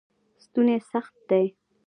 ستوني سخت دی.